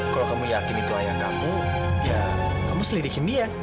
kalau kamu yakin itu ayah kamu ya kamu selidikin dia